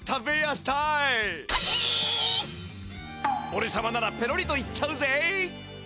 おれさまならペロリといっちゃうぜ！